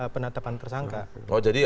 penetapan tersangka oh jadi